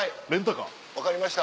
分かりました。